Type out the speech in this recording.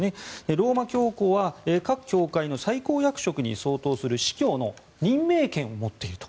ローマ教皇は各教会の最高役職に相当する司教の任命権を持っていると。